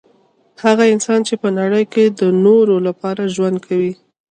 هغه انسان چي په نړۍ کي د نورو لپاره ژوند کوي